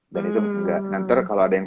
dan itu nanti kalo ada yang